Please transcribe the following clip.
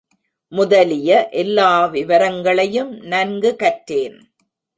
முதலிய எல்லா விவரங்களையும் நன்கு கற்றேன்.